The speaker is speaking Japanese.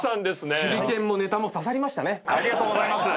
手裏剣もネタも刺さりましたね。